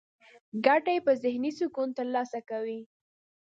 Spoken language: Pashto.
ګټه يې په ذهني سکون ترلاسه کوي.